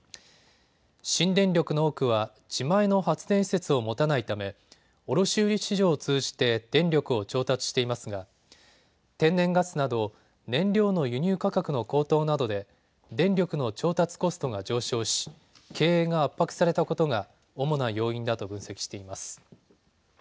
新電力の多くは自前の発電施設を持たないため卸売市場を通じて電力を調達していますが天然ガスなど燃料の輸入価格の高騰などで電力の調達コストが上昇し経営が圧迫されたことが主な要因だと分析しています。